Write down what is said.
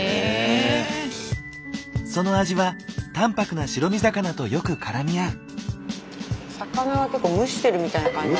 その味は淡泊な白身魚とよく絡み合う。